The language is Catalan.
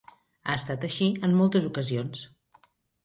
Ha estat així en moltes ocasions.